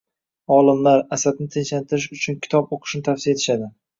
Olimlar, asabni tinchlantirish uchun kitob o‘qishni tavsiya etishadi.